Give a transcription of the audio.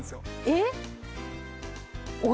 えっ？